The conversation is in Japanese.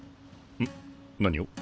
ん？何を？